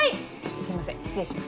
すいません失礼します。